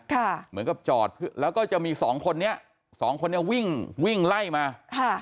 เหมือนกับจอดแล้วก็จะมีสองคนนี้สองคนนี้วิ่งวิ่งไล่มาค่ะ